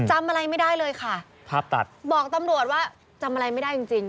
จำอะไรไม่ได้เลยค่ะภาพตัดบอกตำรวจว่าจำอะไรไม่ได้จริงจริง